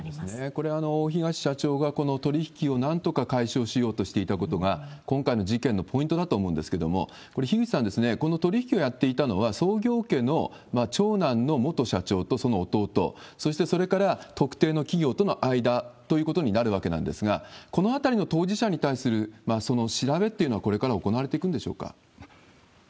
これは大東社長がこの取り引きをなんとか解消しようとしていたことが、今回の事件のポイントだと思うんですけれども、これ、樋口さん、この取り引きをやっていたのは、創業家の長男の元社長とその弟、そしてそれから特定の企業との間ということになるわけなんですが、このあたりの当事者に対するその調べというのは、これから行われていくんでしょうか。